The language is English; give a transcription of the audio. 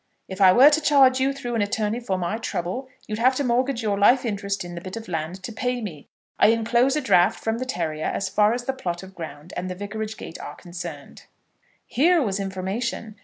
If I were to charge you through an attorney for my trouble you'd have to mortgage your life interest in the bit of land to pay me. I enclose a draft from the terrier as far as the plot of ground and the vicarage gate are concerned. Here was information!